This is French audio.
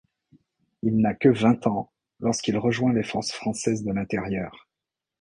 Il n'a que vingt ans lorsqu'il rejoint les Forces françaises de l'intérieur.